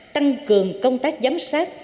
tăng cường công tác giám sát